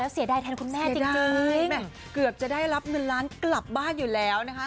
เสียดายแทนคุณแม่จริงเกือบจะได้รับเงินล้านกลับบ้านอยู่แล้วนะคะ